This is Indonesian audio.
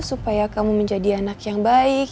supaya kamu menjadi anak yang baik